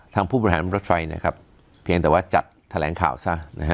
ทางผู้บริหารมันรัฐฟัยเพียงแต่ว่าจัดแถลงข่าวซะ